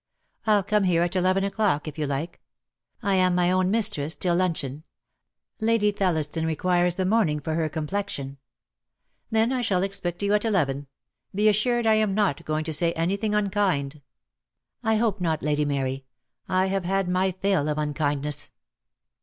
I'll come here at eleven o'clock, if you like. I am my own mistress till luncheon. Lady Thelliston requires the morning for her com plexion." "Then I shall expect you at eleven. Be assured I am not going to say anythmg unkind." "I hope not, Lady Mary. I have had my fill of unkindness."